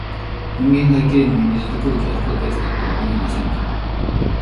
人間が生きるのに、水と空気は不可欠だとは思いませんか？